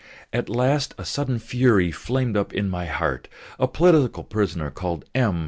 At last a sudden fury flamed up in my heart. A political prisoner called M.